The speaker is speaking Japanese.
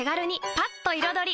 パッと彩り！